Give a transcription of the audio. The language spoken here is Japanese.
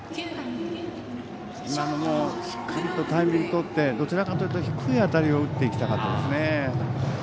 今のもしっかりとタイムリーとってどちらかというと低い当たりを打っていきたかったですね。